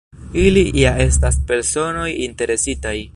Ili ja estas personoj interesitaj.